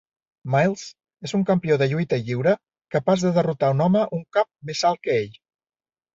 Myles és un campió de lluita lliure, capaç de derrotar un home un cap més alt que ell.